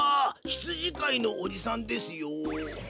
ひつじかいのおじさんですよ。